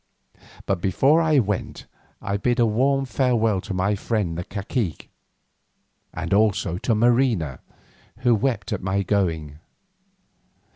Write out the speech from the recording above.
But before I went I bid a warm farewell to my friend the cacique, and also to Marina, who wept at my going.